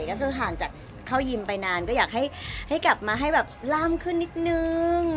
ก็คือห่างจากเข้ายิมไปนานก็อยากให้กลับมาให้แบบล่ามขึ้นนิดนึง